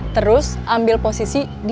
terus ambil posisi di sebelah kanan korban